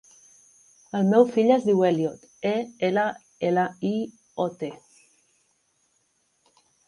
El meu fill es diu Elliot: e, ela, ela, i, o, te.